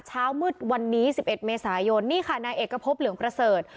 เช้ามืดวันนี้๑๑เมษายนนี่ค่ะนายเอกพบเหลืองประเสริฐ